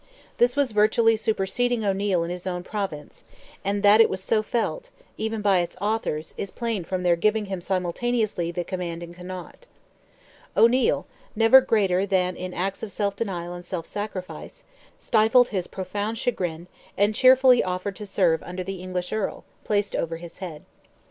This was virtually superseding O'Neil in his own province, and that it was so felt, even by its authors, is plain from their giving him simultaneously the command in Connaught. O'Neil, never greater than in acts of self denial and self sacrifice, stifled his profound chagrin, and cheerfully offered to serve under the English Earl, placed over his head.